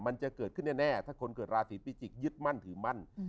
มันจะเกิดขึ้นแน่ถ้าคนเกิดราศีพิจิกยึดมั่นถือมั่น